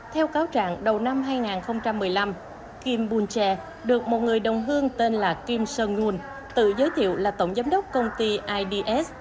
theo cáo trạng đầu năm hai nghìn một mươi năm kim bunche được một người đồng hương tên là kim sung hoon tự giới thiệu là tổng giám đốc công ty ids